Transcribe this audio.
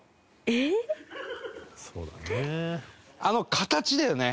伊達：あの形だよね。